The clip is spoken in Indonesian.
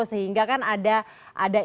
sehingga kan ada